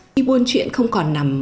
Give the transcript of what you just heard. khi buôn chuyện không còn nằm